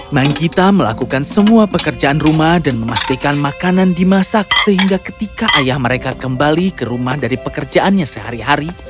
manggita melakukan semua pekerjaan rumah dan memastikan makanan dimasak sehingga ketika ayah mereka kembali ke rumah dari pekerjaannya sehari hari